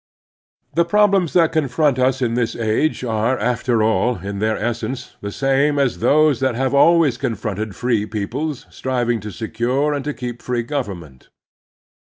The problems that confront us in this age are, after all, in their essence the same as those that have always confronted free peoples striving to secure and to keep free government.